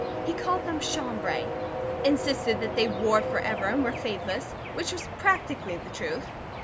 He called them chambray; insisted that they wore for ever, and were fadeless, which was practically the truth.